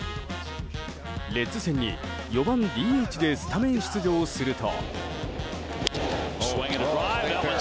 レッズ戦に４番ＤＨでスタメン出場すると。